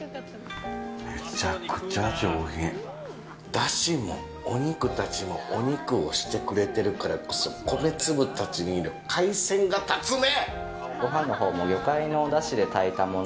だしもお肉たちもお肉をしてくれてるからこそ米粒たちに海鮮が立つね。